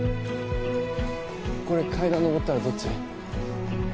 これ階段上ったらどっち？